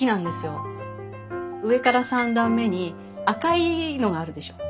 上から３段目に赤いのがあるでしょ。